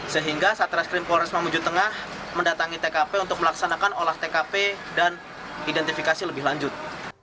sehingga satreskrim polres mamuju tengah mendatangi tkp untuk melaksanakan olah tkp dan identifikasi lebih lanjut